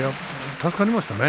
助かりましたね